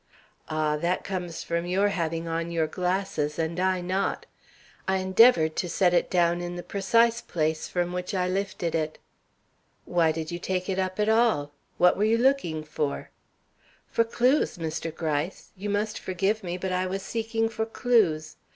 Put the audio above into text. "Ah, that comes from your having on your glasses and I not. I endeavored to set it down in the precise place from which I lifted it." "Why did you take it up at all? What were you looking for?" "For clews, Mr. Gryce. You must forgive me, but I was seeking for clews.